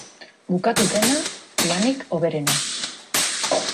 Bukatu dena, lanik hoberena.